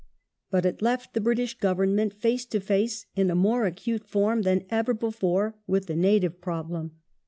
But it left the British Government face to face, in a more acute form than ever before, with the native problem.